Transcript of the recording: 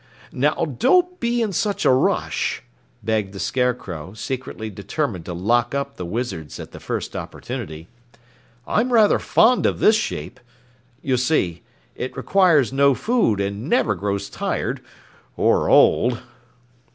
"Now don't be in such a rush," begged the Scarecrow, secretly determined to lock up the wizards at the first opportunity. "I'm rather fond of this shape. You see, it requires no food and never grows tired or old!"